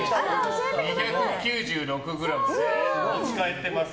２９６ｇで持ち帰っています。